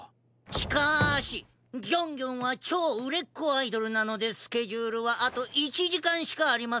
しかしギョンギョンはちょううれっこアイドルなのでスケジュールはあと１じかんしかありませんな。